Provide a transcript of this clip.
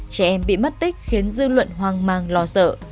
trẻ em bị mất tích khiến dư luận hoang mang lo sợ